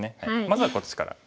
まずはこっちから。